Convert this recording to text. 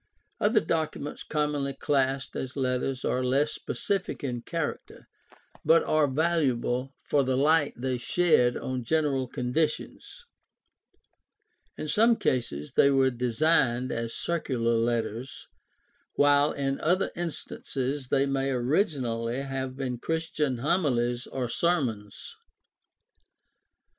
Other documents commonly classed as letters are less specific in character but are valuable for the light they shed on general conditions. In some cases they were designed as circular letters, while in other instances they may originally have been Christian homilies or sermons.